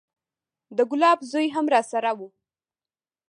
د ګلاب زوى هم راسره و.